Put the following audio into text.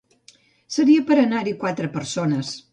Seria per anar-hi quatre persones.